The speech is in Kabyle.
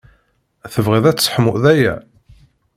Tebɣiḍ ad sseḥmuɣ aya?